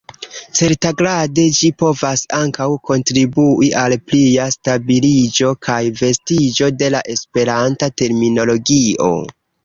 Certagrade ĝi povas ankaŭ kontribui al plia stabiliĝo kaj vastiĝo de la Esperanta terminologio.